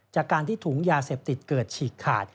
จากการที่ถุงยาเสพติดเกิดฉีกขาด